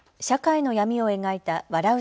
社会の闇を描いた笑